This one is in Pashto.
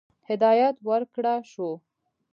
هدایت ورکړه شو.